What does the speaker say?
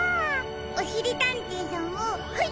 おしりたんていさんもはい。